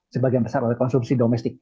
sebagian besar oleh konsumsi domestik